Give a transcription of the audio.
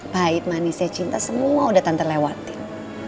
bait manisnya cinta semua udah tante lewatin